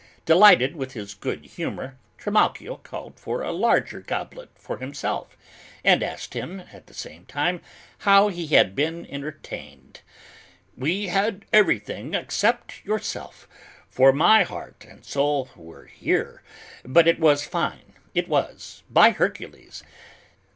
Delighted with his good humor, Trimalchio called for a larger goblet for himself, and asked him, at the same time, how he had been entertained. "We had everything except yourself, for my heart and soul were here, but it was fine, it was, by Hercules.